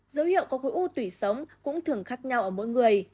dấu hiệu có khổ u tùy sống cũng thường khác nhau ở mỗi người